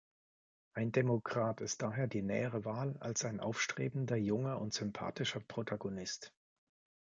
Ein Demokrat ist daher die nähere Wahl als ein aufstrebender, junger und sympathischer Protagonist.